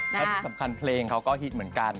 และที่สำคัญเพลงเขาก็ฮิตเหมือนกัน